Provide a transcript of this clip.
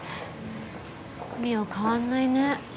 望緒変わんないね。